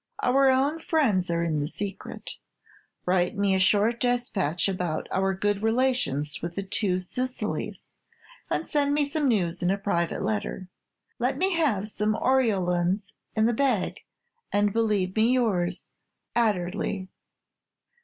Our own friends are in the secret. Write me a short despatch about our good relations with the Two Sicilies; and send me some news in a private letter. Let me have some ortolans in the bag, and believe me yours, "Adderley."